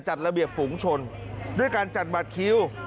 จัดระเบียบฝูงชนด้วยการจัดบัตรคิว